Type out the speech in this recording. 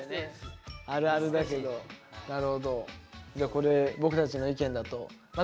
これ僕たちの意見だと喜びます